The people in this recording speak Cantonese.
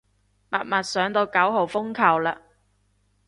默默上到九號風球嘞